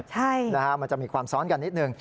ใช่นะฮะมันจะมีความซ้อนกันนิดนึง